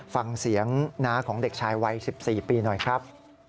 ฟังเสียงน้าของเด็กชายวัย๑๔ปีหน่อยครับ